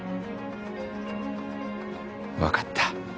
わかった。